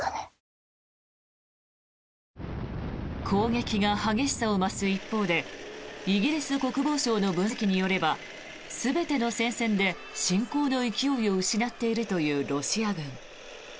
攻撃が激しさを増す一方でイギリス国防省の分析によれば全ての戦線で侵攻の勢いを失っているというロシア軍。